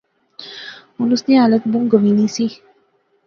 ہن اس نی حالت بہوں گنوی نی سی